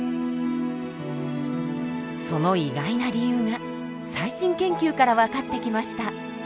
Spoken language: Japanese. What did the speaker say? その意外な理由が最新研究から分かってきました。